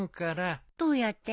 どうやって？